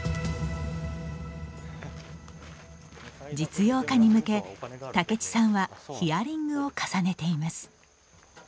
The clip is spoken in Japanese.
実用化に向け、武智さんはヒアリングを重ねています。